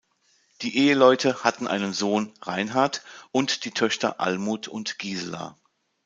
Die Eheleute hatten einen Sohn Reinhard und die Töchter Almut und Gisela.